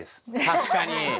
確かに。